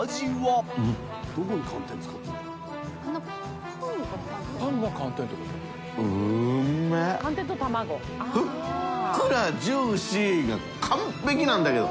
淵船礇鵝ふっくらジューシーが完璧なんだけど。